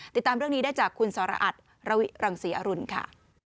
ติดตามเรื่องนี้ได้จากคุณสรอัตระวิรังศรีอรุณค่ะ